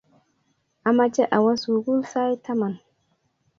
Amache awo sukul sait taman